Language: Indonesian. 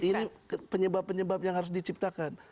ini penyebab penyebab yang harus diciptakan